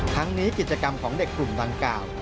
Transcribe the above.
ทั้งนี้กิจกรรมของเด็กกลุ่มดังกล่าว